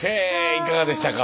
いかがでしたか。